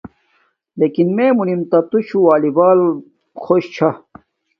لݵکن مݺ مُنِم نݳ تُشݸ مَشݸ وݳلݵ بݳل خݸش چھݳ.